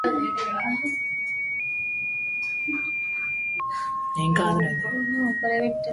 They began writing together, and also became a couple.